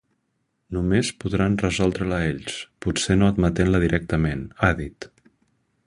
Només podran resoldre-la ells, potser no admetent-la directament, ha dit.